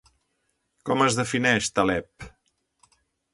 Com es defineix Taleb?